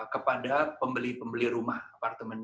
kepada pembeli pembeli rumah apartemen